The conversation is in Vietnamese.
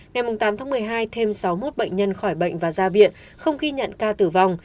ngày tám tháng một mươi hai thêm sáu mươi một bệnh nhân khỏi bệnh và ra viện không ghi nhận ca tử vong